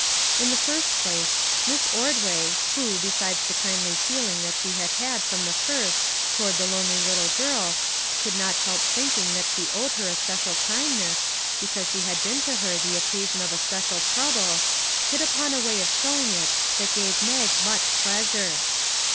In the first place, Miss Ordway, who, besides the kindly feeling that she had had from the first toward the lonely little girl, could not help thinking that she owed her a special kindness, because she had been to her the occasion of a special trouble, hit upon a way of showing it that gave Mag much pleasure.